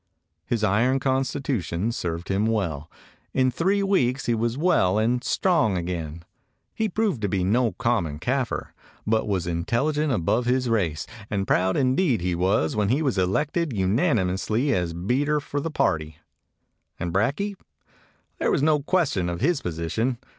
His iron constitution served him well. In three weeks he was well and strong again. He proved to be no common Kafir, but was intelli gent above his race, and proud indeed he was when he was elected unanimously as beater for the party. And Brakje? There was no question of his position.